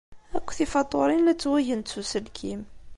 Akk tifatuṛin la ttwagent s uselkim.